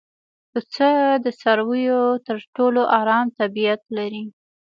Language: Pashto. پسه د څارویو تر ټولو ارام طبیعت لري.